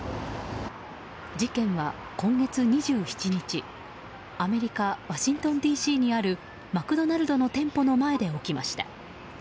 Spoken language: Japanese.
事件は、今月２７日アメリカ・ワシントンＤＣにあるマクドナルドの店舗の前で起きました。